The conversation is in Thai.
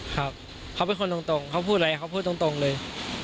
ครับเขาเป็นคนตรงเขาพูดอะไรเขาพูดตรงเลย